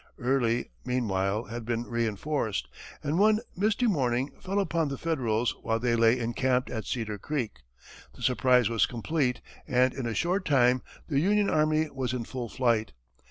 Early, meanwhile, had been reinforced, and, one misty morning, fell upon the Federals while they lay encamped at Cedar Creek. The surprise was complete, and in a short time the Union army was in full flight.